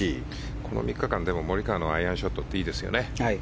この３日間モリカワのアイアンショットっていいですよね。